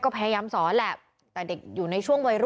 ก็พยายามสอนแหละ